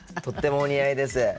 とってもお似合いです。